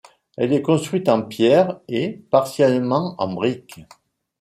Elle est construite en pierres et, partiellement, en briques.